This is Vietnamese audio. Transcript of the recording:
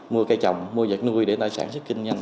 mua cây trồng mua vật nuôi để sản xuất kinh doanh